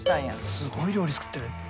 すごい料理作ってる。